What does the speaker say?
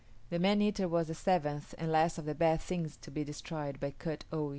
The man eater was the seventh and last of the bad things to be destroyed by Kut o yis´.